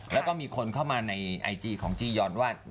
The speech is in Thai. แล้วก็มีคนเข้ามาในไอจีของจียอนว่า